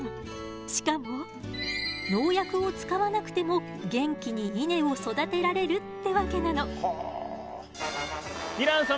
しかも農薬を使わなくても元気に稲を育てられるってわけなの。